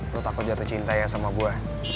lo takut jatuh cinta ya sama gue